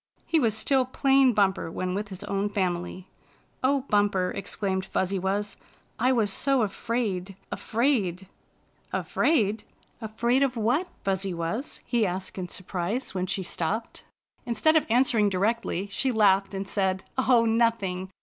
He was still plain Bumper when with his own family. " O Bumper," exclaimed Fuzzy Wuzz, " I was so afraid — afraid —"" Afraidl Afraid of what. Fuzzy Wuzz?" he asked in surprise when she stopped. Instead of answering directly, she laughed, and said: " Oh, nothing!